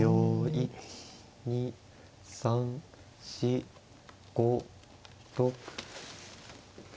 １２３４５６。